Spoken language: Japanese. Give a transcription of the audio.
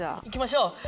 行きましょう。